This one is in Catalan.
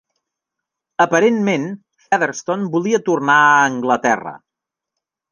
Aparentment, Featherston volia tornar a Anglaterra.